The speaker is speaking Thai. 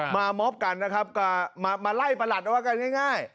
มาไล่ประหลัดด้วยกันง่าย